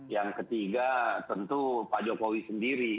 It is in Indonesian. yang ketiga tentu pak jokowi sendiri